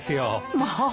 まあ。